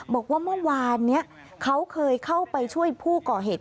บอกว่าเมื่อวานนี้เขาเคยเข้าไปช่วยผู้ก่อเหตุ